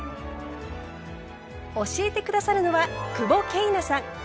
教えて下さるのは久保桂奈さん。